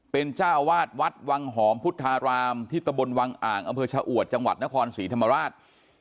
เป็นเจ้าวาดวัดวังหอมพุทธารามที่ตะบนวังอ่างอำเภอชะอวดจังหวัดนครศรีธรรมราช